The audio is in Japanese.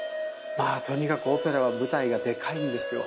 まぁとにかくオペラは舞台がでかいんですよ。